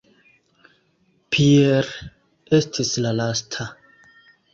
Pier estis la lasta.